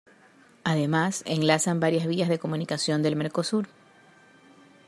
Además enlazan varias vías de comunicación del Mercosur.